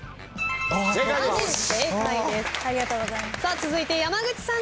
続いて山口さん。